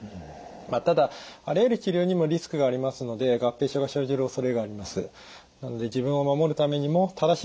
まあただあらゆる治療にもリスクがありますので合併症が生じる恐れがあります。